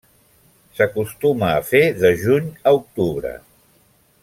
S'acostuma a fer de juny a octubre.